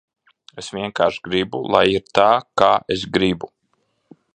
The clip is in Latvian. Es vienkārši gribu, lai ir tā, kā es gribu.